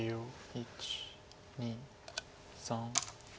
１２３。